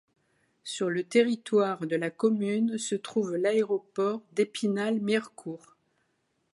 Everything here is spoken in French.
Sur le territoire de la commune se trouve l'aéroport d'Épinal-Mirecourt.